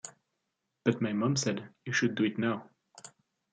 But my mom said, 'You should do it now.